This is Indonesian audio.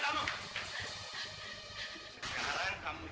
pokoknya mereka gak mau